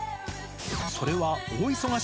それは大忙し